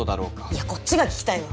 いやこっちが聞きたいわ。